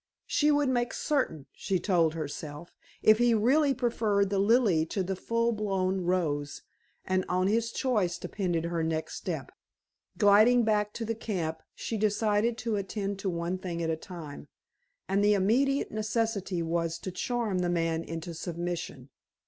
She would make certain, she told herself, if he really preferred the lily to the full blown rose, and on his choice depended her next step. Gliding back to the camp, she decided to attend to one thing at a time, and the immediate necessity was to charm the man into submission.